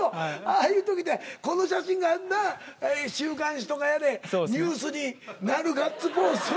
ああいう時ってこの写真がな週刊誌とかやれニュースになるガッツポーズを。